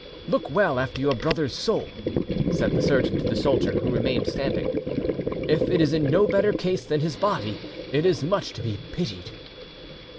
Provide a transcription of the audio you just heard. "Look well after your brother's soul," said the surgeon to the soldier, who remained standing; "if it is in no better case than his body, it is much to be pitied."